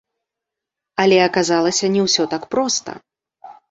Але аказалася, не ўсё так проста.